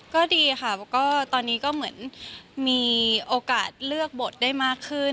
ก็ดีค่ะก็ตอนนี้ก็เหมือนมีโอกาสเลือกบทได้มากขึ้น